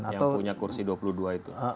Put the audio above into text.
yang punya kursi dua puluh dua itu